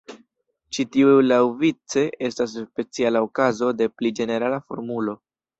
Ĉi tiu laŭvice estas speciala okazo de pli ĝenerala formulo.